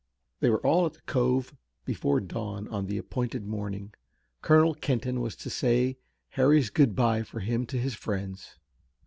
They were all at the cove before dawn on the appointed morning. Colonel Kenton was to say Harry's good bye for him to his friends.